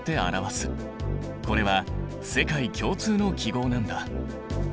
これは世界共通の記号なんだ。